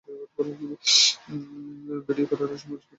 Video পাঠানোর সময় ফুটেজটা এডিট করে অডিয়ো ভিডিয়ো মিক্স করে তারপর পাঠিয়ো।